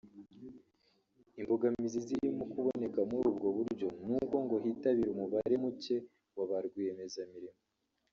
Imbogamizi zirimo kuboneka muri ubwo buryo nuko ngo hitabira umubare muke wa ba rwiyemezamirimo